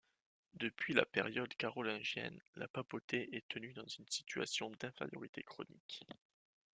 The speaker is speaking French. Depuis la période carolingienne la papauté est tenue dans une situation d'infériorité chronique.